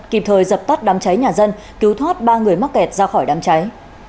kịp thời dập tắt đám cháy nhà dân cứu thoát ba người mắc kẹt ra khỏi đám cháy